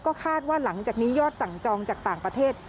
ก็คาดว่าหลังจากนี้ยอดสั่งจองจากต่างประเทศ